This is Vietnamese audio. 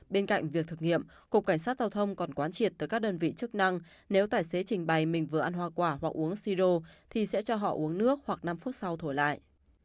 bên cạnh việc thực nghiệm cục cảnh sát giao thông còn quán triệt tới các đơn vị chức năng nếu tài xế trình bày mình vừa ăn hoa quả hoặc uống siro thì sẽ cho họ uống nước hoặc năm phút sau thổi lại